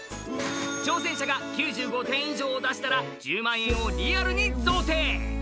挑戦者が９５点以上を出したら１０万円をリアルに贈呈。